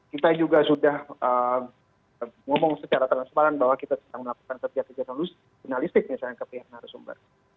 kita juga sudah ngomong secara terang terang bahwa kita sedang melakukan pekerjaan pekerjaan journalistik misalnya ke pihak narasumber